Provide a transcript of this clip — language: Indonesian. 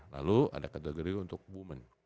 lalu ada category untuk women